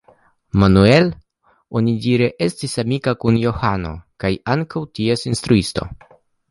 Manuel onidire estis amika kun Johano kaj ankaŭ ties instruisto.